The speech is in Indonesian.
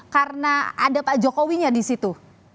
karena ada pak jokowinya di situ